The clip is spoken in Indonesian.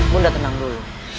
bunda tenang dulu